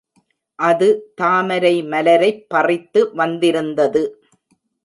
அது தாமரை மலரைப் பறித்து வந்திருந்தது.